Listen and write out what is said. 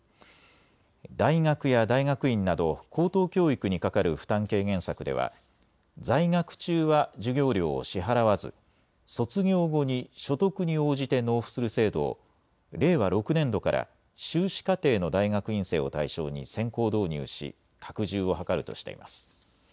大学や大学院など、高等教育にかかる負担軽減策では、在学中は授業料を支払わず、卒業後に所得に応じて納付する制度を、令和６年度から修士課程の大学院生を対象に先行導入し、拡充を図るとしています。